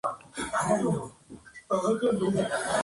Ambas tareas las ha compaginado con el ejercicio de la abogacía.